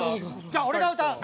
じゃあ俺が歌う。